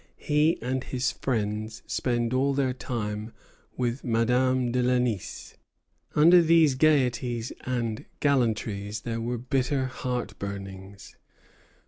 He and his friends spend all their time with Madame de Lenisse." Under these gayeties and gallantries there were bitter heart burnings.